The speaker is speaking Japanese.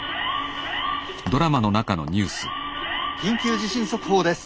「緊急地震速報です。